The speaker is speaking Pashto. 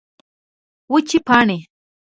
وچې پاڼې